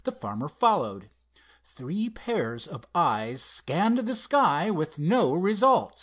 The farmer followed. Three pairs of eyes scanned the sky with no result.